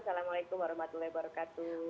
waalaikumsalam warahmatullahi wabarakatuh